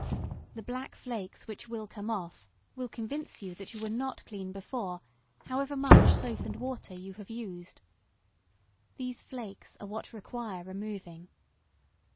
The black flakes which will come off will convince you that you were not clean before, however much soap and water you have used. These flakes are what require removing.